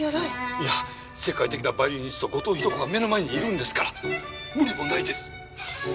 いや世界的なバイオリニスト後藤宏子が目の前にいるんですから無理もないです！